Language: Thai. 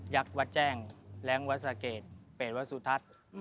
วัดแจ้งแรงวัดสะเกดเปรตวัสสุทัศน์